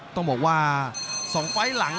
ต้องบอกว่า๒ไฟล์หลัง